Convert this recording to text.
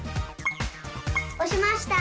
おしました！